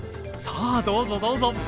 さあどうぞどうぞ。